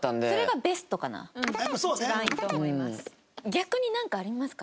逆になんかありますか？